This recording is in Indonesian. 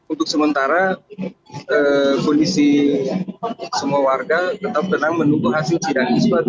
untuk sementara kondisi semua warga tetap benar menunggu hasil jiran ismat